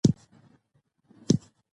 قومونه د افغانستان د شنو سیمو ښکلا ده.